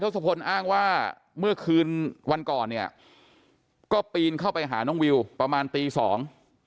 ศพลอ้างว่าเมื่อคืนวันก่อนเนี่ยก็ปีนเข้าไปหาน้องวิวประมาณตีสอง